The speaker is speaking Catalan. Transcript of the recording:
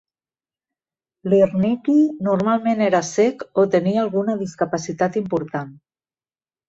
Lirnyky normalment era cec o tenia alguna discapacitat important.